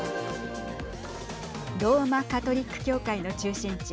ローマ・カトリック教会の中心地